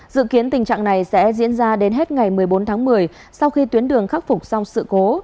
dự kiến tình trạng này sẽ diễn ra đến hết ngày một mươi bốn tháng một mươi sau khi tuyến đường khắc phục xong sự cố